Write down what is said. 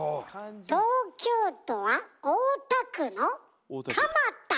東京都は大田区の「かまた」。